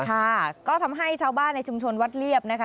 ค่ะก็ทำให้ชาวบ้านในชุมชนวัดเรียบนะคะ